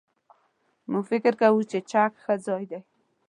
موږ فکر کوو چې چک ښه ځای دی.